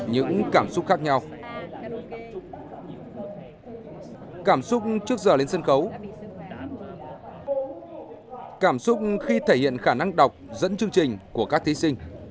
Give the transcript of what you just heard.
những cảm xúc khác nhau cảm xúc trước giờ lên sân khấu cảm xúc khi thể hiện khả năng đọc dẫn chương trình của các thí sinh